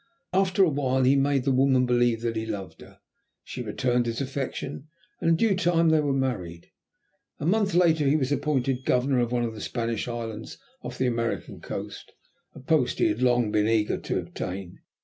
After a while he made the woman believe that he loved her. She returned his affection, and in due time they were married. A month later he was appointed Governor of one of the Spanish islands off the American coast a post he had long been eager to obtain.